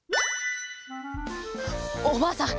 おばあさん